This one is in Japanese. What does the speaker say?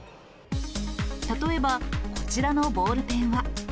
例えばこちらのボールペンは。